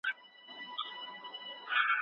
ماهر ساعت معاينه کاوه.